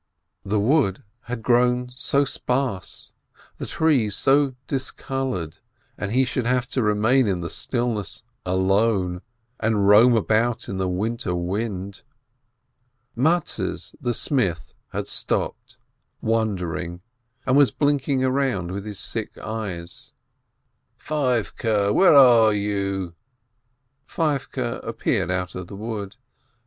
The wood had grown so sparse, the trees so dis colored, and he should have to remain in the stillness alone, and roam about in the winter wind ! Mattes the smith had stopped, wondering, and was blinking around with his sick eyes. "Feivke, where are you?" Feivke appeared out of the wood.